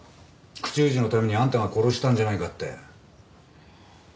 口封じのためにあんたが殺したんじゃないかって。